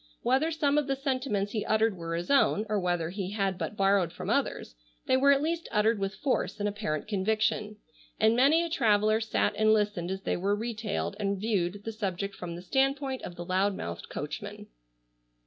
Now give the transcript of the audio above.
Whether some of the sentiments he uttered were his own, or whether he had but borrowed from others, they were at least uttered with force and apparent conviction, and many a traveller sat and listened as they were retailed and viewed the subject from the standpoint of the loud mouthed coachman.